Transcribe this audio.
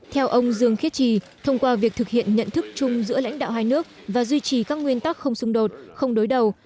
theo ông dương khiết trì thông qua việc thực hiện nhận thức chung giữa lãnh đạo hai nước và duy trì các nguyên tắc không xung đột không đối đầu